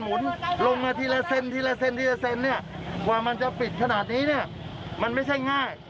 หมู่บ้านเงียบทวมหมดเลย